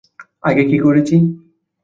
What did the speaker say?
আগে কী করেছি?